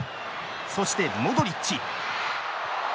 そして、モドリッチ！